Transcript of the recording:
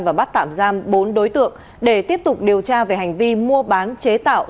và bắt tạm giam bốn đối tượng để tiếp tục điều tra về hành vi mua bán chế tạo